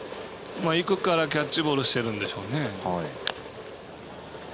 いくからキャッチボールしてるんでしょうね。